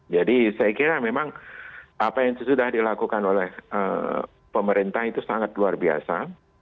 jadi saya kira memang apa yang sudah dilakukan oleh pemerintah itu sangat luar biasa